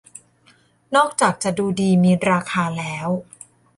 นอกจากจะดูดีมีราคาแล้ว